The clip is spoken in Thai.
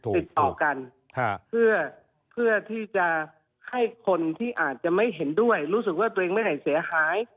ติดต่อกันเพื่อที่จะให้คนที่อาจจะไม่เห็นด้วยรู้สึกว่าตัวเองไม่ได้เสียหาย